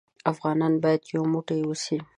افغانان بايد يو موټى اوسې.